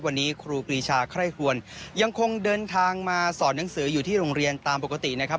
วันนี้ครูปรีชาไคร่ควรยังคงเดินทางมาสอนหนังสืออยู่ที่โรงเรียนตามปกตินะครับ